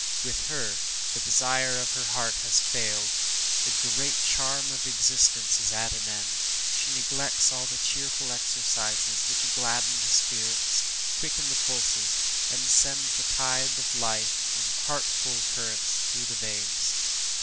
With her, the desire of her heart has failed the great charm of existence is at an end. She neglects all the cheerful exercises which gladden the spirits, quicken the pulses, and send the tide of life in healthful currents through the veins.